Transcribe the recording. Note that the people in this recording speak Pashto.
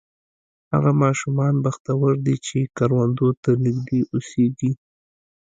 هغه ماشومان بختور دي چې کروندو ته نږدې اوسېږي.